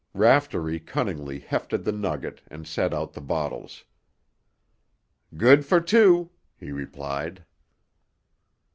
Raftery cunningly hefted the nugget and set out the bottles. "Good for two," he replied.